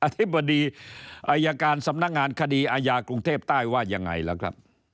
ธิบดีอายการสำนักงานคดีอาญากรุงเทพใต้ว่ายังไงล่ะครับ